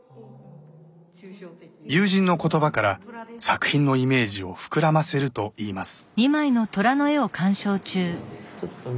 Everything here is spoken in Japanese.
友人の言葉から作品のイメージを膨らませるといいます。